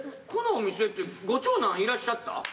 このお店ってご長男いらっしゃった？